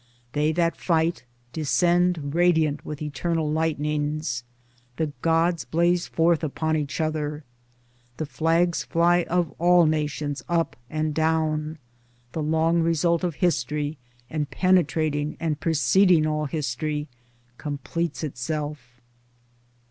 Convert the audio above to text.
They that fight descend, radiant with eternal lightnings. The gods blaze forth upon each other. The flags fly of all nations up and down. The long result of history, and penetrating and preceding all history, completes itself.